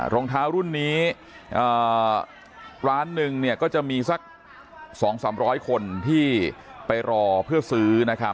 รองเท้ารุ่นนี้อ่าร้านหนึ่งเนี่ยก็จะมีสักสองสามร้อยคนที่ไปรอเพื่อซื้อนะครับ